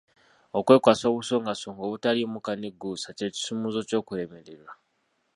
Okwekwasa obusongasonga obutaliimu kanigguusa kye kisumuluzo ky'okulemererwa.